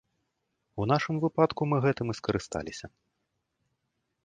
У нашым выпадку мы гэтым і скарысталіся.